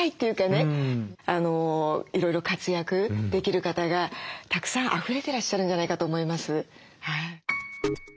いろいろ活躍できる方がたくさんあふれていらっしゃるんじゃないかと思います。